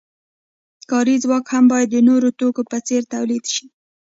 کاري ځواک هم باید د نورو توکو په څیر تولید شي.